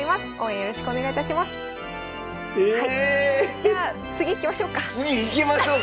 じゃあ次いきましょうか。